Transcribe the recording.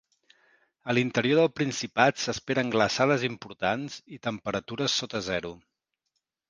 A l’interior del Principat s’esperen glaçades importants i temperatures sota zero.